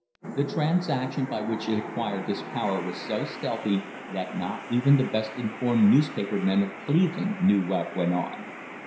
The transaction by which it acquired this power was so stealthy that not even the best informed newspaper men of Cleveland knew what went on.